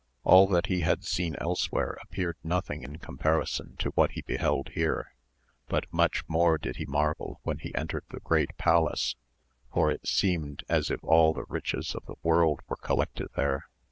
All that he had seen elsewhere appeared nothing in comparison to what he beheld here, but much more did he marvel when he entered the great palace, for it seemed as if all the riches of the world were collected there.